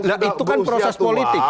nah itu kan proses politik